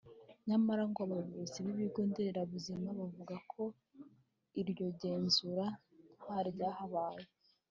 nyamara ngo ‘abayobozi b’ibigo nderabuzima bavuga ko iryo genzura nta ryabaye